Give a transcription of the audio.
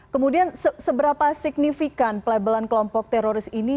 kemudian seberapa signifikan pelabelan kelompok teroris ini